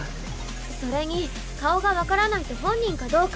それに顔がわからないと本人かどうか。